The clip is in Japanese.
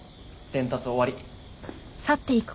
伝達終わり。